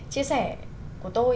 chia sẻ của tôi